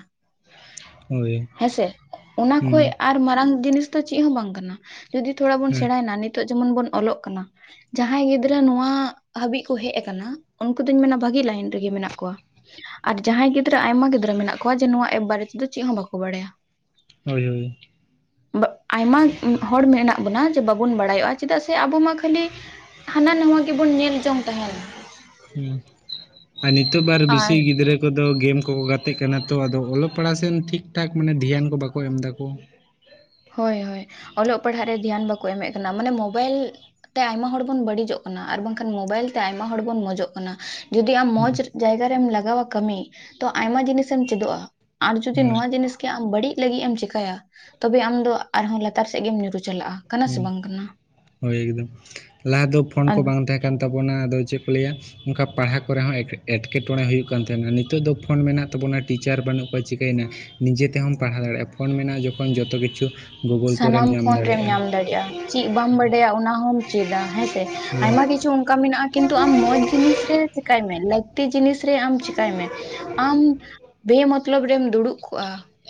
ᱦᱳᱭ ᱦᱮᱸᱥᱮ ᱚᱱᱟ ᱦᱩᱸ ᱠᱷᱚᱡ ᱟᱨ ᱢᱟᱨᱟᱝ ᱡᱤᱱᱤᱥ ᱫᱚ ᱪᱮᱫ ᱦᱚᱸ ᱵᱟᱝ ᱠᱟᱱᱟ᱾ ᱡᱩᱫᱤ ᱛᱷᱚᱲᱟ ᱵᱚᱱ ᱦᱩᱸ ᱥᱮᱬᱟᱭ ᱱᱟ ᱱᱤᱛᱚᱜ ᱡᱮᱢᱚᱱ ᱵᱚᱱ ᱚᱞᱚᱜ ᱠᱟᱱᱟ ᱡᱟᱦᱟᱸᱭ ᱜᱤᱫᱽᱨᱟᱹ ᱱᱚᱣᱟᱼᱼ ᱦᱟᱹᱵᱤᱡ ᱠᱚ ᱦᱮᱡ ᱠᱟᱱᱟ ᱩᱱᱠᱩ ᱫᱩᱧ ᱢᱮᱱᱟ ᱵᱷᱟᱜᱮ ᱞᱟᱭᱤᱱ ᱨᱮᱜᱮ ᱢᱮᱱᱟᱜ ᱠᱚᱣᱟ᱾ ᱟᱨ ᱡᱟᱸᱦᱟᱭ ᱜᱤᱫᱽᱨᱟᱹ ᱟᱭᱢᱟ ᱜᱤᱫᱽᱨᱟᱹ ᱢᱮᱱᱟᱜ ᱠᱚᱣᱟ ᱡᱮ ᱱᱚᱣᱟ ᱮᱯ ᱵᱟᱨᱮ ᱛᱮᱫᱚ ᱪᱮᱫ ᱦᱚᱸ ᱵᱟᱠᱚ ᱵᱟᱲᱟᱭᱟ᱾ ᱦᱳᱭ ᱦᱳᱭ᱾ ᱵᱟᱜ ᱟᱭᱢᱟ ᱦᱚᱲ ᱢᱮᱱᱟᱜ ᱵᱚᱱᱟ ᱡᱮ ᱵᱟᱵᱚᱱ ᱵᱟᱲᱟᱭᱚᱜ-ᱟ ᱪᱮᱫᱟᱜ ᱥᱮ ᱟᱵᱚ ᱢᱟ ᱠᱷᱟᱹᱞᱤᱼᱼ ᱦᱟᱱᱟ ᱱᱟᱶᱟ ᱜᱮᱵᱚᱱ ᱧᱮᱞ ᱡᱚᱝ ᱛᱟᱦᱮᱱ᱾ ᱦᱩ ᱟᱨ ᱱᱤᱛᱚᱜ ᱵᱟᱨ ᱟᱨ ᱵᱮᱥᱤ ᱜᱤᱫᱽᱨᱟᱹᱼᱼ ᱠᱚᱫᱚ ᱜᱮᱢ ᱠᱚᱠᱚ ᱜᱟᱛᱮᱜ ᱠᱟᱱᱟ ᱛᱚ ᱟᱫᱚ ᱚᱞᱚᱜ ᱯᱟᱲᱦᱟᱣ ᱥᱮᱱ ᱴᱷᱤᱠ ᱴᱷᱟᱠ ᱢᱟᱱᱮ ᱫᱷᱮᱭᱟᱱ ᱠᱚ ᱵᱟᱠᱚ ᱮᱢ ᱫᱟᱠᱚ᱾ ᱦᱚᱭ ᱦᱚᱭ ᱚᱞᱚᱜ ᱯᱟᱲᱦᱟᱜ ᱨᱮ ᱫᱷᱮᱭᱟᱱ ᱵᱟᱠᱚ ᱮᱢᱮᱜ ᱠᱟᱱᱟ ᱢᱟᱱᱮ ᱢᱳᱵᱟᱭᱤᱞᱼᱼ ᱛᱮ ᱟᱭᱢᱟ ᱦᱚᱲ ᱵᱚᱱ ᱵᱟᱹᱲᱤᱡᱚᱜ ᱠᱟᱱᱟ ᱟᱨ ᱵᱟᱝᱠᱷᱟᱱ ᱢᱳᱵᱟᱭᱤᱞ ᱛᱮ ᱟᱭᱢᱟ ᱦᱚᱲ ᱵᱚᱱ ᱢᱚᱡᱚᱜ ᱠᱟᱱᱟ᱾ ᱡᱩᱫᱤ ᱟᱢ ᱢᱚᱸᱡᱽ ᱨᱮ ᱡᱟᱭᱜᱟ ᱨᱮᱢ ᱞᱟᱜᱟᱣᱟ ᱠᱟᱹᱢᱤ ᱛᱚ ᱟᱭᱢᱟ ᱡᱤᱱᱤᱥᱮᱢ ᱪᱮᱫᱚᱜ-ᱟ᱾ ᱟᱨ ᱡᱩᱫᱤ ᱦᱮᱸ ᱱᱚᱣᱟ ᱡᱤᱱᱤᱥ ᱜᱮ ᱟᱢ ᱵᱟᱹᱲᱤᱡ ᱞᱟᱹᱜᱤᱜ ᱮᱢ ᱪᱮᱠᱟᱭᱟᱼᱼ ᱛᱚᱵᱮ ᱟᱢ ᱫᱚ ᱟᱨᱦᱚᱸ ᱞᱟᱛᱟᱨ ᱥᱮᱜ ᱜᱮᱢ ᱧᱩᱨᱩ ᱪᱟᱞᱟᱜ-ᱟ ᱠᱟᱱᱟ ᱥᱮ ᱦᱩᱸ ᱵᱟᱝ ᱠᱟᱱᱟ᱾ ᱦᱳᱭ ᱮᱠᱫᱚᱢ ᱞᱟᱦᱟ ᱫᱚ ᱯᱷᱳᱱ ᱠᱚ ᱵᱟᱝ ᱛᱟᱦᱮᱸ ᱠᱟᱱ ᱛᱟᱵᱚᱱᱟ ᱟᱫᱚ ᱪᱮᱜ ᱠᱚ ᱞᱟᱹᱭᱟ᱾ ᱚᱱᱠᱟ ᱯᱟᱲᱦᱟᱣ ᱠᱚᱨᱮ ᱦᱚᱸ ᱮᱴᱠᱮᱴᱚᱲᱮ ᱦᱩᱭᱩᱜ ᱠᱟᱱ ᱛᱟᱦᱮᱱᱟ ᱱᱤᱛᱚᱜ ᱫᱚ ᱯᱷᱳᱱ ᱢᱮᱱᱟᱜ ᱛᱟᱵᱚᱱᱟ ᱴᱤᱪᱟᱨ ᱵᱟᱹᱱᱩᱜ ᱠᱚᱣᱟ ᱪᱤᱠᱟᱹᱭ ᱱᱟ ᱱᱤᱡᱮ ᱛᱮᱦᱚᱸᱢ ᱯᱟᱲᱦᱟᱣ ᱫᱟᱲᱮᱜ-ᱟ ᱯᱷᱳᱱ ᱢᱮᱱᱟᱜ-ᱟ ᱡᱚᱠᱷᱚᱱ ᱡᱚᱛᱚ ᱠᱤᱪᱷᱩ ᱜᱩᱜᱳᱞ ᱠᱚᱨᱮᱢ ᱧᱟᱢ ᱫᱟᱲᱮᱜ-ᱟ᱾ ᱫᱟᱲᱤᱜ-ᱟ ᱪᱤᱜ ᱵᱟᱢ ᱵᱟᱰᱟᱭᱟ ᱚᱱᱟ ᱦᱚᱢ ᱪᱮᱫᱟ ᱦᱮᱸ ᱥᱮ᱾ ᱟᱭᱢᱟ ᱠᱤᱪᱷᱩ ᱚᱱᱠᱟ ᱢᱮᱱᱟᱜ-ᱟ ᱠᱤᱱᱛᱩ ᱟᱢ ᱢᱚᱸᱡᱽ ᱡᱤᱱᱤᱥ ᱨᱮ ᱪᱮᱠᱟᱭ ᱢᱮ ᱞᱟᱹᱠᱼᱼ ᱛᱤ ᱡᱤᱱᱤᱥ ᱨᱮ ᱟᱢ ᱪᱮᱠᱟᱭ ᱢᱮ ᱟᱢᱼᱼ ᱵᱮ ᱢᱚᱛᱞᱚᱵᱽ ᱨᱮᱢ ᱫᱩᱲᱩᱵ ᱠᱚᱜ-ᱟ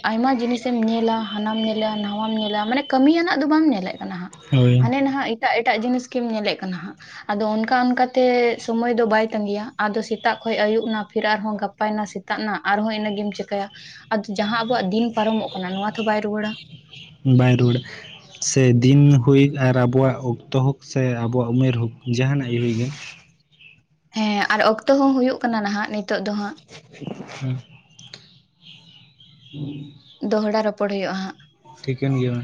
ᱟᱭᱢᱟ ᱡᱤᱱᱤᱥᱮᱢ ᱧᱮᱞᱟ ᱦᱟᱱᱟᱢ ᱧᱮᱞᱟ ᱱᱟᱣᱟᱢ ᱧᱮᱼᱼ ᱠᱮᱫᱟ ᱢᱟᱱᱮ ᱠᱟᱹᱢᱤ ᱭᱟᱱᱟᱜ ᱫᱚ ᱵᱟᱢ ᱧᱮᱞ ᱮᱫ ᱠᱟᱱᱟ ᱦᱟᱸᱜ ᱦᱳᱭ ᱦᱟᱱᱮ ᱱᱟᱦᱟᱜ ᱮᱴᱟᱜ ᱮᱴᱟᱜ ᱡᱤᱱᱤᱥ ᱜᱮᱢ ᱧᱮᱞᱮᱫ ᱠᱟᱱᱟ ᱦᱟᱸᱜ ᱟᱫᱚ ᱚᱱᱠᱟ ᱚᱱᱠᱟ ᱛᱮ ᱥᱳᱢᱳᱭ ᱫᱚ ᱵᱟᱭ ᱛᱟᱸᱜᱤᱭᱟ ᱟᱫᱚ ᱥᱮᱛᱟᱜ ᱠᱷᱚᱡ ᱟᱹᱭᱩᱵ ᱱᱟ ᱯᱷᱤᱨ ᱟᱨ ᱦᱚᱸ ᱜᱟ ᱱᱟᱯᱟᱭ ᱱᱟ ᱥᱮᱛᱟᱜ ᱱᱟ ᱟᱨ ᱦᱚᱸ ᱤᱱᱟᱹᱜ ᱜᱮᱢ ᱪᱮᱠᱟᱹᱭ ᱟ ᱡᱟᱦᱟᱸ ᱟᱵᱚᱣᱟᱜ ᱫᱤᱱ ᱯᱟᱨᱚᱢᱚᱜ ᱠᱟᱱᱟ ᱱᱚᱣᱟ ᱛᱚ ᱵᱟᱭ ᱨᱩᱣᱟᱹᱲᱟ ᱵᱟᱭ ᱨᱩᱣᱟᱹᱲᱼᱟ ᱥᱮ ᱫᱤᱱ ᱦᱳᱭ ᱟᱨ ᱟᱵᱚᱣᱟᱜ ᱚᱠᱛᱚ ᱦᱳᱠ ᱥᱮ ᱟᱵᱚᱣᱟᱜ ᱩᱢᱮᱨ ᱦᱳᱠ ᱡᱟᱦᱟᱱᱟᱜ ᱜᱮ ᱦᱩᱭ ᱜᱮ ᱦᱮᱸ ᱟᱨ ᱚᱠᱛᱚ ᱦᱚᱸ ᱦᱩᱭᱩᱜ ᱠᱟᱱᱟ ᱱᱟᱦᱟᱜ ᱱᱤᱛᱚᱜ ᱫᱚ ᱦᱟᱸᱜ ᱦᱩᱸ [inaudible] ᱫᱚᱦᱚᱲᱟ ᱨᱚᱯᱚᱲ ᱦᱩᱭᱩᱜ-ᱟ ᱦᱟᱸᱜ ᱴᱷᱤᱠᱟᱹᱱ ᱜᱮᱭᱟ ᱢᱟ᱾